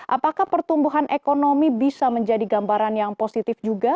apakah pertumbuhan ekonomi bisa menjadi gambaran yang positif juga